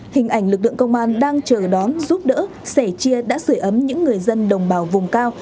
hình ảnh lực lượng công an đang chờ đón giúp đỡ sẻ chia đã sửa ấm những người dân đồng bào vùng cao